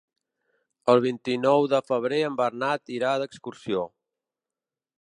El vint-i-nou de febrer en Bernat irà d'excursió.